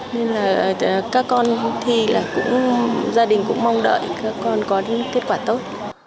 nên là các con thi là cũng gia đình cũng mong đợi các con có kết quả tốt